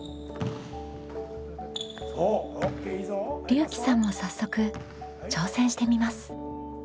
りゅうきさんも早速挑戦してみます。